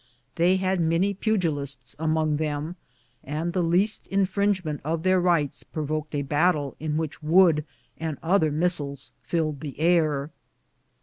They had many pugilists among them, and the least infringement of their rights provoked a battle in which wood and other missiles filled the air.